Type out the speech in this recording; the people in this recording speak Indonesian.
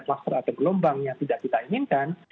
kluster atau gelombang yang tidak kita inginkan